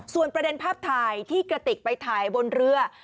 ส่วนประเด็นภาพถ่ายที่กระติกไปถ่ายบนเรือ